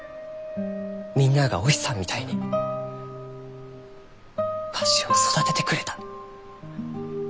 みんなあがお日さんみたいにわしを育ててくれた。